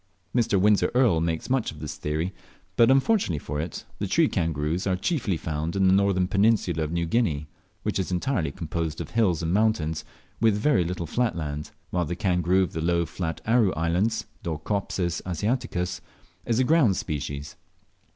Mr. Windsor Earl makes much of this theory, but, unfortunately for it, the tree kangaroos are chiefly found in the northern peninsula of New Guinea, which is entirely composed of hills and mountains with very little flat land, while the kangaroo of the low flat Aru Islands (Dorcopsis asiaticus) is a ground species.